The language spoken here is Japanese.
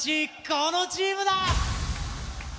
このチームだ。